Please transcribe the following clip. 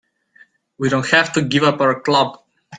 We don't have to give up our club.